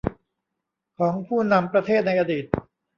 ของผู้นำประเทศในอดีต